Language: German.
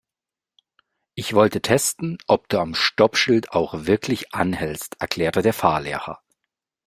Ich wollte testen, ob du am Stoppschild auch wirklich anhältst, erklärte der Fahrlehrer.